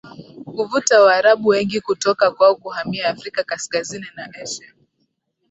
kuvuta Waarabu wengi kutoka kwao kuhamia Afrika Kaskazini na Asia